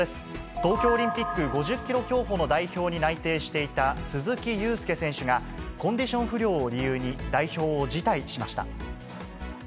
東京オリンピック５０キロ競歩の代表に内定していた鈴木雄介選手が、コンディション不良を理由に代表を辞退しました。